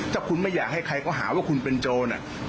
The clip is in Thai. ถ้าคุณไม่อยากให้ใครเขาหาว่าคุณเป็นโจร